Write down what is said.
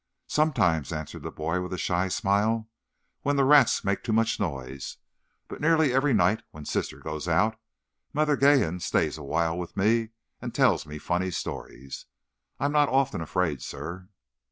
"Sometimes," answered the boy, with a shy smile, "when the rats make too much noise. But nearly every night, when sister goes out, Mother Geehan stays a while with me, and tells me funny stories. I'm not often afraid, sir."